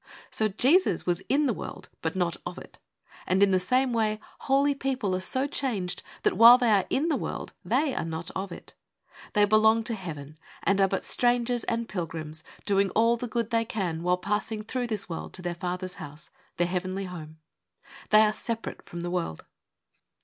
So Jesus was in the world, but not of it ; and in the same way, holy people are so changed that while they are in the world they are not of it. They belong to Heaven, and are but strangers and pilgrims, doing all the good they can while passing through this world to their Father's house, their Heavenly home. They are separate from the world.